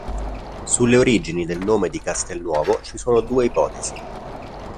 Sulle origini del nome di Castelnuovo ci sono due ipotesi.